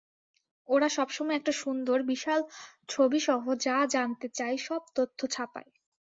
ওরা সবসময় একটা সুন্দর, বিশাল ছবিসহ যা জানতে চাই সব তথ্য ছাপায়।